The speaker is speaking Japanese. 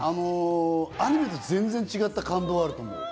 アニメと全然違った感動がある。